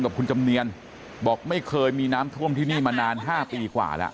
กับคุณจำเนียนบอกไม่เคยมีน้ำท่วมที่นี่มานาน๕ปีกว่าแล้ว